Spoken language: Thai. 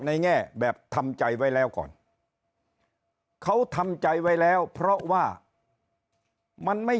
แง่แบบทำใจไว้แล้วก่อนเขาทำใจไว้แล้วเพราะว่ามันไม่